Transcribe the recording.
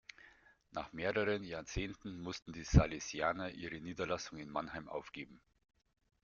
Nach mehreren Jahrzehnten mussten die Salesianer ihre Niederlassung in Mannheim aufgeben.